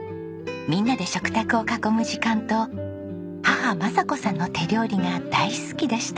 みんなで食卓を囲む時間と母政子さんの手料理が大好きでした。